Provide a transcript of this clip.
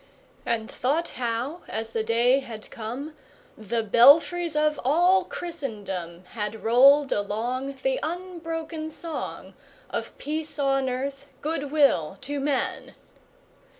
And thought how, as the day had come, The belfries of all Christendom Had rolled along The unbroken song Of peace on earth, good will to men!